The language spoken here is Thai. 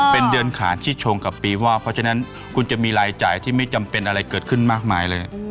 เป็นเดือนขาดที่ชงกับปีว่าเพราะฉะนั้นคุณจะมีรายจ่ายที่ไม่จำเป็นอะไรเกิดขึ้นมากมายเลย